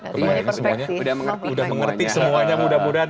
kemudian semuanya sudah mengerti semuanya mudah mudahan